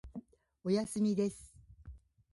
おやすみです。